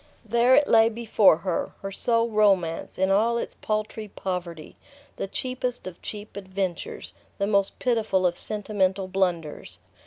There it lay before her, her sole romance, in all its paltry poverty, the cheapest of cheap adventures, the most pitiful of sentimental blunders.